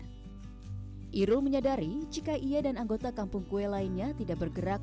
irul menyadari jika ia dan anggota kampung kue lainnya tidak bergerak